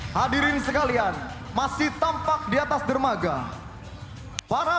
hadirin sekalian masih tampak diatas dermaga para